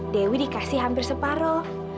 dewi dikasih hampir separoh